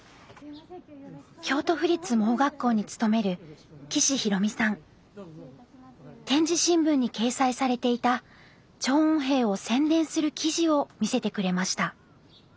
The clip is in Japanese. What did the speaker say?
京都府立盲学校に勤める点字新聞に掲載されていた聴音兵を宣伝する記事を見せてくれました。